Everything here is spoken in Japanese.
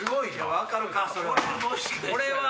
分かるかそれは。